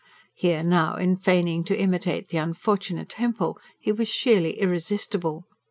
Here, now, in feigning to imitate the unfortunate Hempel, he was sheerly irresistible.